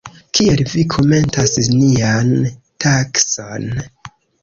Kiel vi komentas nian takson?